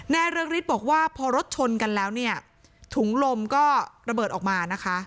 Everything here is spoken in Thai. เรืองฤทธิ์บอกว่าพอรถชนกันแล้วเนี่ยถุงลมก็ระเบิดออกมานะคะ